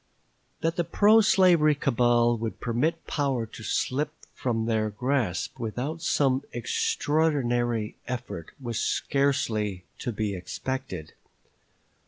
35th Cong. Vol. I., p. 104. That the pro slavery cabal would permit power to slip from their grasp without some extraordinary effort was scarcely to be expected.